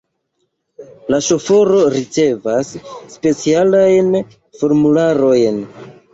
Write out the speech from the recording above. La ŝoforo ricevas specialajn formularojn.